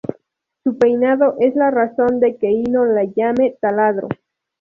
Su peinado es la razón de que Hino la llame "taladro".